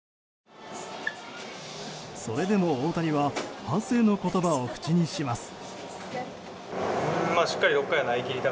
それでも大谷は反省の言葉を口にします。